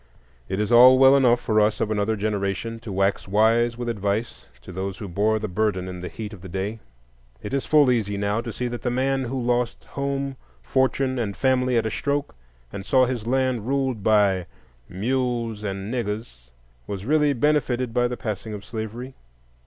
It is all well enough for us of another generation to wax wise with advice to those who bore the burden in the heat of the day. It is full easy now to see that the man who lost home, fortune, and family at a stroke, and saw his land ruled by "mules and niggers," was really benefited by the passing of slavery.